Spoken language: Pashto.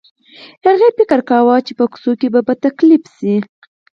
هغې فکر کاوه چې په کوڅو کې به تکليف شي.